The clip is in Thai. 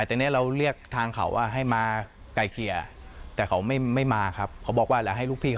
ผมก็นึกว่าเขาจะไกลเกลี่ยโทรเข้ามาก็มาท้าผมอีก